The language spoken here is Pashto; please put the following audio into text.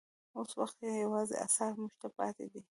اوس وخت یې یوازې اثار موږ ته پاتې دي.